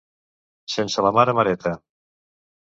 Sense la mare mareta.